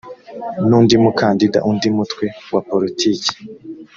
n undi mukandida undi mutwe wa politiki